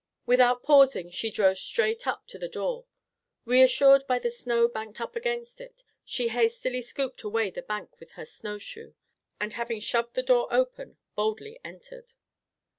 Without pausing, she drove straight up to the door. Reassured by the snow banked up against it, she hastily scooped away the bank with her snow shoe, and having shoved the door open, boldly entered.